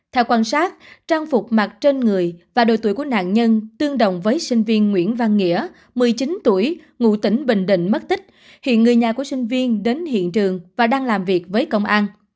theo quan sát trang phục mặt trên người và độ tuổi của nạn nhân tương đồng với sinh viên nguyễn văn nghĩa một mươi chín tuổi ngụ tỉnh bình định mất tích hiện người nhà của sinh viên đến hiện trường và đang làm việc với công an